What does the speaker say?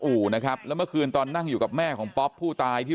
อู่นะครับแล้วเมื่อคืนตอนนั่งอยู่กับแม่ของป๊อปผู้ตายที่